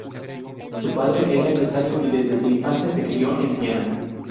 Su padre era empresario y desde su infancia se crio en Viena.